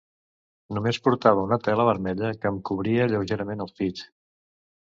Només portava una tela vermella que em cobria lleugerament els pits.